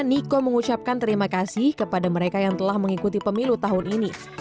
niko mengucapkan terima kasih kepada mereka yang telah mengikuti pemilu tahun ini